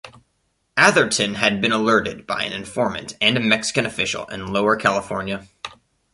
Atherton had been alerted by an informant and a Mexican official in lower California.